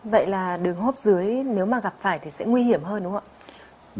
vậy là đường hô hấp dưới nếu mà gặp phải thì sẽ nguy hiểm hơn đúng không ạ